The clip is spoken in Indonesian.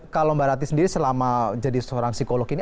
kalau mbak rati sendiri selama jadi seorang psikolog ini